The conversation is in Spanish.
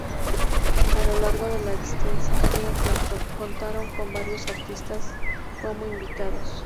A lo largo de la extensa gira contaron con varios artistas como invitados.